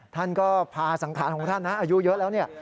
ท่านก็พาสังขารของท่านนะอายุเยอะแล้วเนี่ย